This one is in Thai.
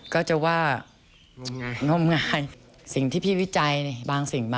ก็จะว่า